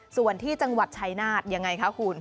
ส่วนที่จังหวัดชายนาฏยังไงคะคุณ